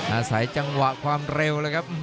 อาศัยจังหวะความเร็วเลยครับ